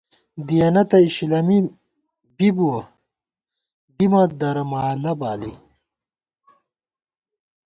دِیَنہ تہ اِشِلَمی بی بُوَہ، دِمہ درہ مالہ بالی